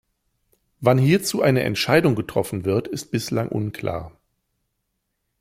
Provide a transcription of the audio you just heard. Wann hierzu eine Entscheidung getroffen wird ist bislang unklar.